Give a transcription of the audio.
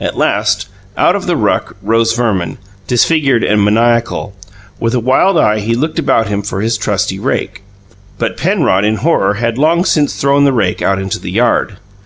At last, out of the ruck rose Verman, disfigured and maniacal. With a wild eye he looked about him for his trusty rake; but Penrod, in horror, had long since thrown the rake out into the yard.